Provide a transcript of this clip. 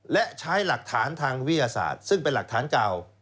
และใช้หลักฐานทางวิทยาศาสตร์ซึ่งเป็นหลักฐานเก่า